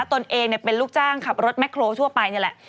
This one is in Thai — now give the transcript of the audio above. ตนเองเป็นลูกจ้างขับรถแคลทั่วไปนี่แหละ